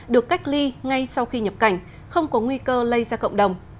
được cách ly ngay sau khi nhập cảnh không có nguy cơ lây ra cộng đồng